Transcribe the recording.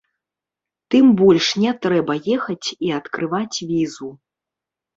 Тым больш не трэба ехаць і адкрываць візу.